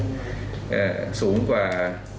แต่สูงกว่า